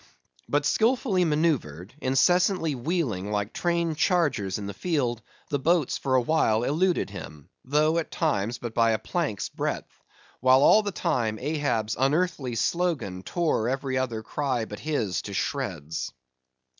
But skilfully manœuvred, incessantly wheeling like trained chargers in the field; the boats for a while eluded him; though, at times, but by a plank's breadth; while all the time, Ahab's unearthly slogan tore every other cry but his to shreds.